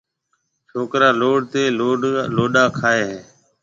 ڇوڪرا لوڏ تي لوڏ کائي هيَ۔